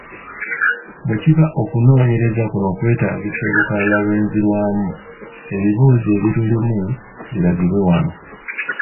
Bwe kiba okunoonyereza kuno kwetaagisa olukalala lw’enzirwamu, ebibuuzo ebilulimu biragibwe wano.